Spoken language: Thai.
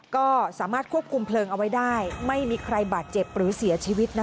ก็สามารถควบคุมเพลิงเอาไว้ได้ไม่มีใครบาดเจ็บหรือเสียชีวิต